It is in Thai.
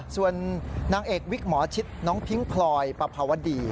ส่วนนางเอกวิกหมอชิดน้องพิ้งพลอยปภาวดี